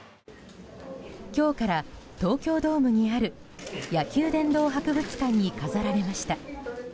今日から東京ドームにある野球殿堂博物館に飾られました。